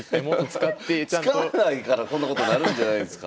使わないからこんなことなるんじゃないですか。